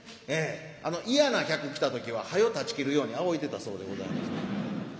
嫌な客来た時ははよたちきるようにあおいでたそうでございます。